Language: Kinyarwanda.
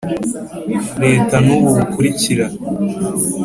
Leta ni ubu bukurikira